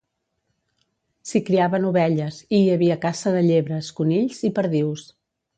S'hi criaven ovelles, i hi havia caça de llebres, conills i perdius.